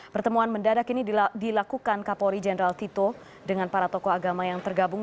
pertemuan mendadak ini dilakukan kapolri jenderal tito dengan para tokoh agama yang tergabung